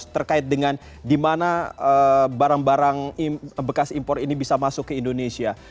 terkait dengan di mana barang barang bekas impor ini bisa masuk ke indonesia